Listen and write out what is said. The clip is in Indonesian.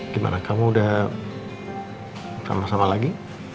gimana kamu udah sama sama lagi